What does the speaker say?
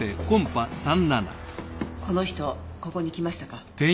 この人ここに来ましたか？